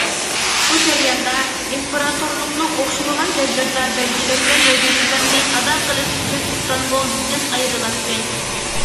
بۇ جەرياندا، ئىمپېراتورلۇقنىڭ ئوخشىمىغان جايلىرىدا بەلگىلەنگەن ۋەزىپىلىرىنى ئادا قىلىش ئۈچۈن ئىستانبۇلدىن ئايرىلاتتى.